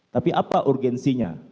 tapi apa urgensinya